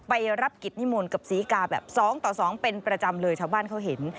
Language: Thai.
ไปรับกิจนิมนต์กับศรีกาแบบ๒ต่อ๒เป็นประจำเลยชาวบ้านเขาเห็น